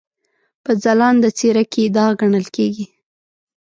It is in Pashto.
په ځلانده څېره کې داغ ګڼل کېږي.